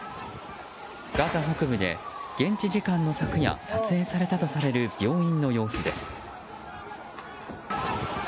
ガザ北部で現地時間の昨夜撮影されたとされる病院の様子です。